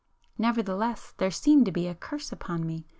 Nevertheless there seemed to be a curse upon me.